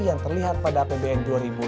yang terlihat pada pbn dua ribu delapan belas